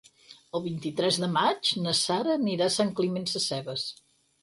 El vint-i-tres de maig na Sara anirà a Sant Climent Sescebes.